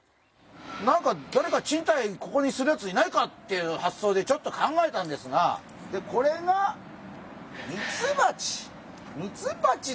何かだれか賃貸ここにするヤツいないかっていう発想でちょっと考えたんですがでこれがミツバチ！